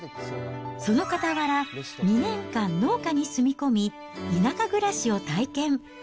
そのかたわら、２年間、農家に住み込み、田舎暮らしを体験。